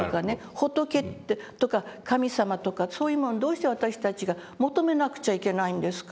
仏ってとか神様とかそういうものどうして私たちが求めなくちゃいけないんですか？」